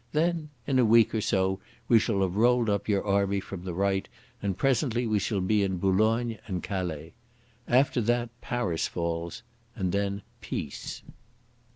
Then in a week or so we shall have rolled up your army from the right, and presently we shall be in Boulogne and Calais. After that Paris falls, and then Peace."